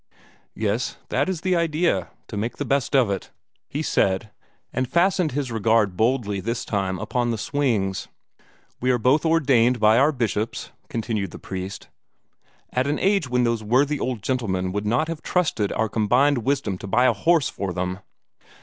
"Yes, that is the idea to make the best of it," he said, and fastened his regard boldly this time upon the swings. "We were both ordained by our bishops," continued the priest, "at an age when those worthy old gentlemen would not have trusted our combined wisdom to buy a horse for them."